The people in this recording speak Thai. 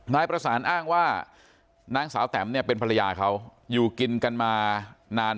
นายประสานอ้างว่านางสาวแตมเนี่ยเป็นภรรยาเขาอยู่กินกันมานาน